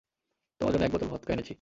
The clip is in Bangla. তোমার জন্য এক বোতল ভদকা এনেছি।